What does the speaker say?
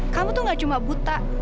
kamu tuh gak cuma buta